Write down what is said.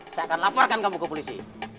saya akan laparkan kamu ke polisi